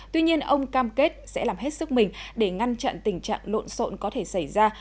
tuy nhiên ông cam kết sẽ làm hết sức mình để ngăn chặn tình trạng lộn xộn có thể xảy ra